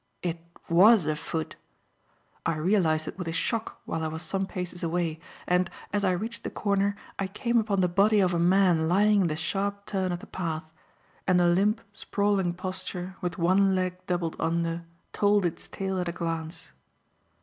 It was a foot! I realized it with a shock while I was some paces away; and, as I reached the corner, I came upon the body of a man lying in the sharp turn of the path; and the limp, sprawling posture, with one leg doubled under, told its tale at a glance.